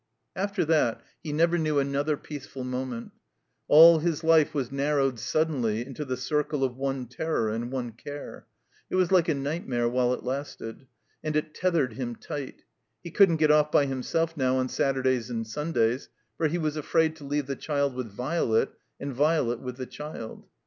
After that he never knew another peaceful mo ment. All his life was narrowed suddenly into the circle of one terror and one care. It was like a night mare while it lasted. And it tethered him tight. He couldn't get oflf by himself now on Saturdays and Sundays, for he was afraid to leave the child with Violet and Violet with the child.